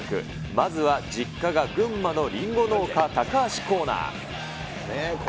まずは実家が群馬のリンゴ農家、高橋光成。